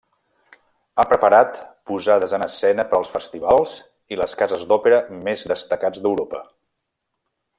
Ha preparat posades en escena per als festivals i les cases d'òpera més destacats d'Europa.